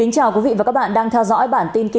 cảm ơn các bạn đã theo dõi